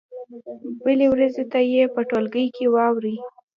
بلې ورځې ته یې په ټولګي کې واورئ.